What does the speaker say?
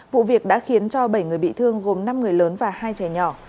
vụ việc đã khiến cho bảy người bị thương gồm năm người lớn và hai trẻ nhỏ